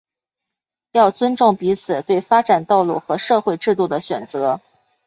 要尊重彼此对发展道路和社会制度的选择